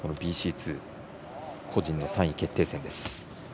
２個人の３位決定戦です。